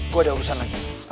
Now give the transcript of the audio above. gue ada urusan lagi